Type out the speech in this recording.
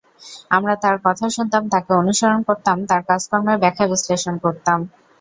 আমরা তাঁর কথা শুনতাম, তাঁকে অনুসরণ করতাম, তাঁর কাজকর্মের ব্যাখ্যা-বিশ্লেষণ করতাম।